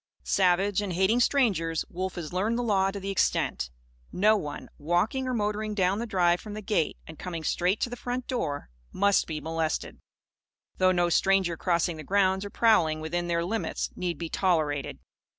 Savage, and hating strangers, Wolf has learned the law to this extent: no one, walking or motoring down the drive from the gate and coming straight to the front door, must be molested; though no stranger crossing the grounds or prowling within their limits need be tolerated.